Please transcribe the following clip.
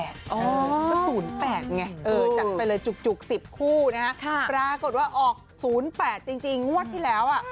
ก็๐๘ไงจัดไปเลยจุก๑๐คู่นะฮะปรากฏว่าออก๐๘จริงงวดที่แล้วอ่ะ